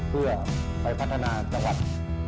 เพื่อไปพัฒนาจังหวัด